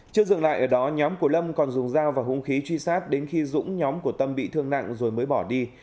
chưa dừng lại ở đó nhóm của lâm còn dùng dao và hung khí truy sát đến khi dũng nhóm của tâm bị thương nặng rồi mới bỏ đi